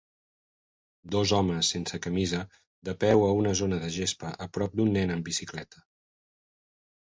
Dos homes sense camisa de peu a una zona de gespa a prop d"un nen en bicicleta.